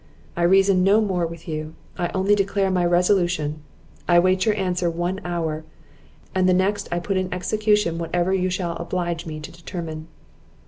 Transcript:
I reason no more with you, I only declare my resolution. I wait your answer one hour, and the next I put in execution whatever you shall oblige me to determine."